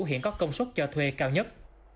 hiện có công suất cho thuê cao nhất